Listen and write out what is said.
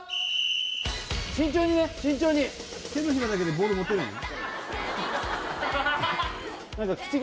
慎重にね慎重に手のひらだけでボール持てるの？